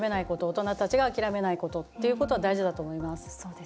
大人たちが諦めないことっていうことは大事だと思います。